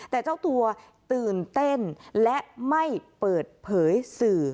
แต่เจ้าตัวตื่นเต้นและไม่เปิดเผยสื่อ